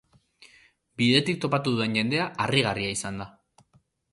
Bidetik topatu dudan jendea harrigarria izan da.